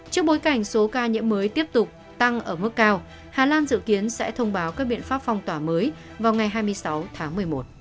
trước bối cảnh số ca nhiễm mới tiếp tục tăng ở mức cao hà lan dự kiến sẽ thông báo các biện pháp phong tỏa mới vào ngày hai mươi sáu tháng một mươi một